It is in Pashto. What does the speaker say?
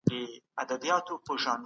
فساد د ټولني جرړې وباسي.